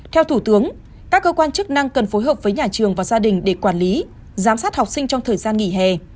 theo thủ tướng các cơ quan chức năng cần phối hợp với nhà trường và gia đình để quản lý giám sát học sinh trong thời gian nghỉ hè